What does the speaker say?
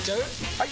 ・はい！